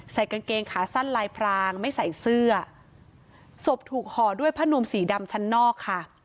กางเกงขาสั้นลายพรางไม่ใส่เสื้อศพถูกห่อด้วยผ้านวมสีดำชั้นนอกค่ะ